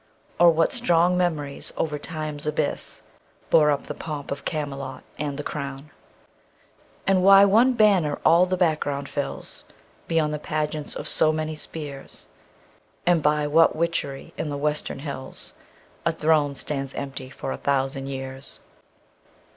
Or what strong memories over time's abyss Bore up the pomp of Camelot and the crown. And why one banner all the background fills, Beyond the pageants of so many spears, And by what witchery in the western hills A throne stands empty for a thousand years.